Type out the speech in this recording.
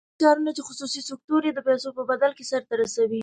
ځینې کارونه چې خصوصي سکتور یې د پیسو په بدل کې سر ته رسوي.